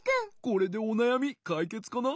これでおなやみかいけつかな？